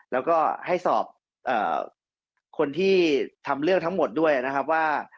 แล้วก็ให้สอบคนที่ทำเรื่องทั้งหมดด้วยนะครับว่า